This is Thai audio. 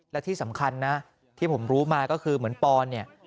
และที่สำคัญนะที่ผมรู้มาก็คือเหมือนปอนเนี่ย